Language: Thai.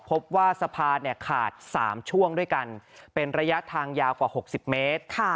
พบว่าสะพานขาด๓ช่วงด้วยกันเป็นระยะทางยาวกว่า๖๐เมตร